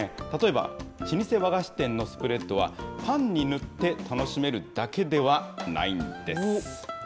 例えば、老舗和菓子店のスプレッドは、パンに塗って楽しめるだけではないんです。